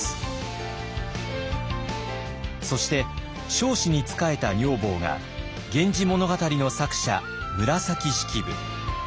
そして彰子に仕えた女房が「源氏物語」の作者紫式部。